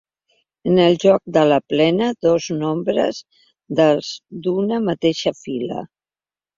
En el joc de la plena, dos nombres dels d'una mateixa fila.